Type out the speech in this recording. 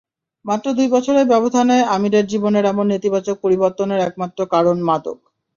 মাত্র দুই বছরের ব্যবধানে আমিরের জীবনের এমন নেতিবাচক পরিবর্তনের একমাত্র কারণ মাদক।